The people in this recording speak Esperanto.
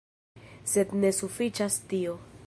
Sed ne sufiĉas tio.